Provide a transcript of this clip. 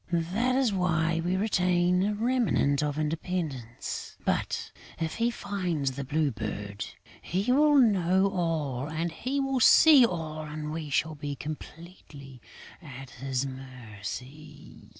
That is why we retain a remnant of independence; but, if he finds the Blue Bird, he will know all, he will see all and we shall be completely at his mercy....